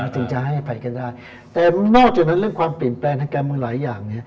ถึงจะให้อภัยกันได้แต่นอกจากนั้นเรื่องความเปลี่ยนแปลงทางการเมืองหลายอย่าง